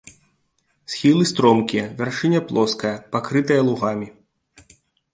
Схілы стромкія, вяршыня плоская, пакрытая лугамі.